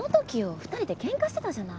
２人でケンカしてたじゃない。